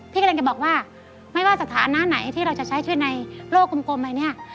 กำลังจะบอกว่าไม่ว่าสถานะไหนที่เราจะใช้ชีวิตในโลกกลมอะไรเนี่ย